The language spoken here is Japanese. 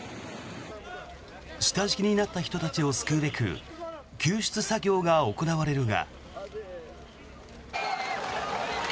下敷きになった人たちを救うべく救出作業が行われるが。